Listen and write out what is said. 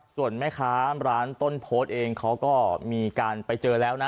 ส่วนแม่ค้าร้านต้นโพสต์เองเขาก็มีการไปเจอแล้วนะ